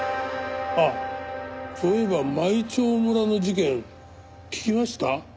あっそういえば舞澄村の事件聞きました？